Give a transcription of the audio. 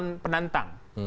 punya calon penantang